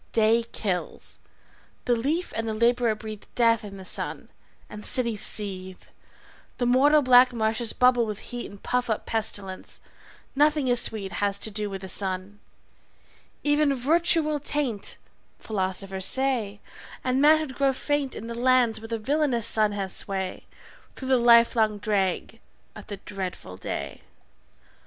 Day kills. The leaf and the laborer breathe Death in the sun, the cities seethe, The mortal black marshes bubble with heat And puff up pestilence; nothing is sweet Has to do with the sun: even virtue will taint (Philosophers say) and manhood grow faint In the lands where the villainous sun has sway Through the livelong drag of the dreadful day.